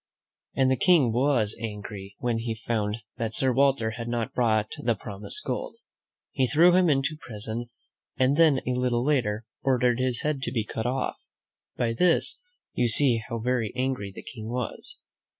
And the King was angry when he found that Sir Walter had not brought the promised gold. He threw him into prison, and then a little later ordered his head to be cut off. By this you see how very angry the King was.